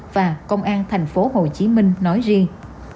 và công an thành phố hồ chí minh nói riêng